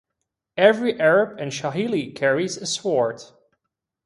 Every Arab and Swahili carries a sword.